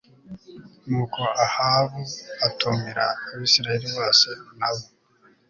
nuko ahabu atumira abisirayeli bose n abo